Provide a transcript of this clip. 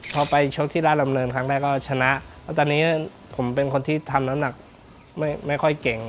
พอไปชกที่ราชดำเนินครั้งแรกก็ชนะแล้วตอนนี้ผมเป็นคนที่ทำน้ำหนักไม่ค่อยเก่ง